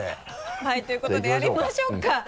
はいということでやりましょうか。